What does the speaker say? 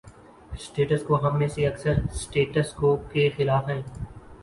’Status quo‘ ہم میں سے اکثر 'سٹیٹس کو‘ کے خلاف ہیں۔